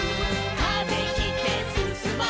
「風切ってすすもう」